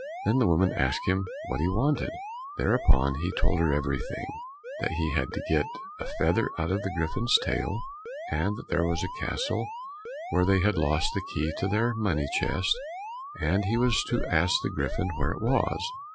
Then the woman asked him what he wanted? Thereupon he told her everything;—that he had to get a feather out of the Griffin's tail, and that there was a castle where they had lost the key of their money chest, and he was to ask the Griffin where it was?